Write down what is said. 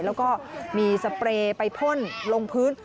แล้วก็มีสเปรย์ไปพ่นลงพื้น